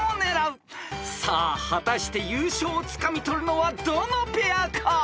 ［さあ果たして優勝をつかみ取るのはどのペアか？］